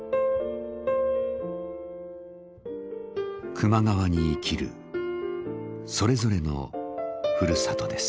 球磨川に生きるそれぞれのふるさとです。